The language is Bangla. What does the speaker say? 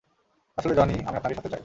আসলে, জনি, আমি আপনাকে সাথে চাই।